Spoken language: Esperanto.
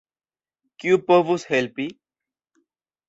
Kiu povus helpi?